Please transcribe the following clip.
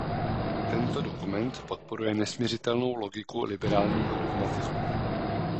Tento dokument podporuje nesmiřitelnou logiku liberálního dogmatismu.